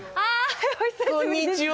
お、こんにちは。